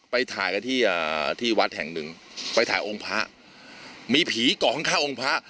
ไปถ่ายกันที่ที่วัดแห่งหนึ่งไปถ่ายองค์พระมีผีเกาะข้างองค์พระ